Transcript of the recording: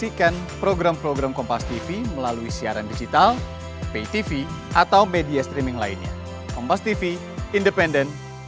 yang bisa didapat di rukas tubondo ini